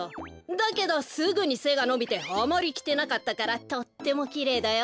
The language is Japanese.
だけどすぐにせがのびてあまりきてなかったからとってもきれいだよ。